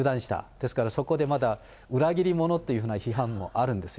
ですから、そこでまだ裏切り者という批判もあるんですよ。